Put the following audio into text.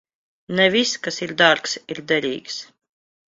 Ne viss, kas ir dārgs, ir derīgs.